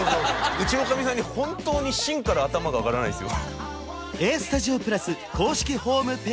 うちのかみさんに本当に芯から頭が上がらないですよ